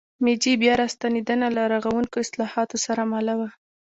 میجي بیا راستنېدنه له رغوونکو اصلاحاتو سره مله وه.